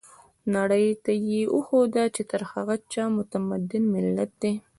نړۍ ته يې وښوده چې تر هر چا متمدن ملت دی.